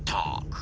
く！